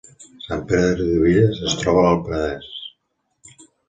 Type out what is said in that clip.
Sant Pere de Riudebitlles es troba a l’Alt Penedès